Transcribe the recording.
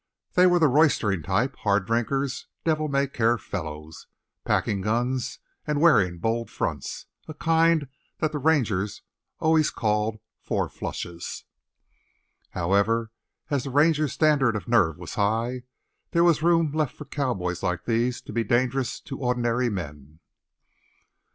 They were the roistering type, hard drinkers, devil may care fellows, packing guns and wearing bold fronts a kind that the Rangers always called four flushes. However, as the Rangers' standard of nerve was high, there was room left for cowboys like these to be dangerous to ordinary men.